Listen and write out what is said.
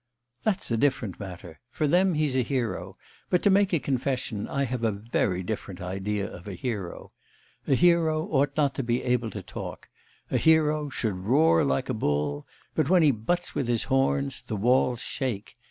'That's a different matter! For them he's a hero; but, to make a confession, I have a very different idea of a hero; a hero ought not to be able to talk; a hero should roar like a bull, but when he butts with his horns, the walls shake.